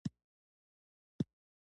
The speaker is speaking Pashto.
علمي مجامعو ځای نه مومي.